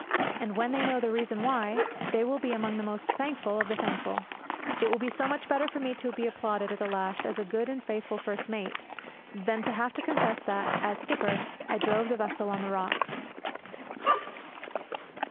And when they know the reason why, they will be among the most thankful of the thankful. It will be so much better for me to be applauded at the last as a good and faithful first mate than to have to confess that, as skipper, I drove the vessel on the rocks.